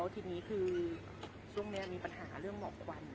ทีนี้คือช่วงนี้มีปัญหาเรื่องหมอกควัน